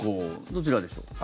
どちらでしょう。